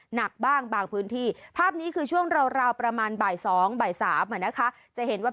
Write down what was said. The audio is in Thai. หนักบ้างบางพื้นที่ภาพนี้คือช่วงราวประมาณบ่าย๒บ่าย๓จะเห็นว่า